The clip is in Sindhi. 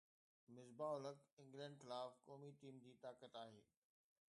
مصباح الحق انگلينڊ خلاف قومي ٽيم جي طاقت آهي